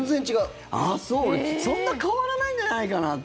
そんな変わらないんじゃないかなって。